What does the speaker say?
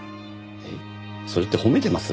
えっそれって褒めてます？